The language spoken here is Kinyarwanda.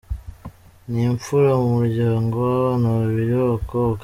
Ni imfura mu muryango w’abana babiri b’abakobwa.